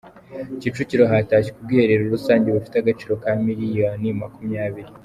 Kicukiro Hatashywe ubwiherero rusange bufite agaciro ka miliyoni makumyabiri